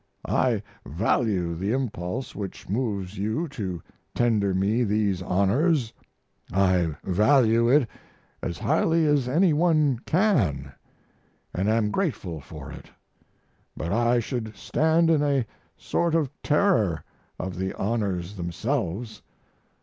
I value the impulse which moves you to tender me these honors. I value it as highly as any one can, and am grateful for it, but I should stand in a sort of terror of the honors themselves.